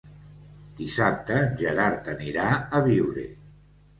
Dissabte en Gerard anirà a Biure.